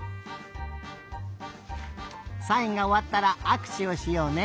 サインがおわったらあくしゅをしようね。